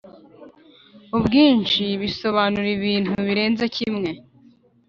ubwinshi bisobanura ibintu birenze kimwe